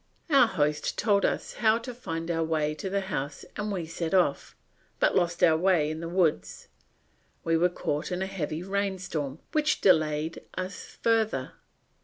Our host told us how to find our way to the house and we set off, but lost our way in the woods. We were caught in a heavy rainstorm, which delayed us further.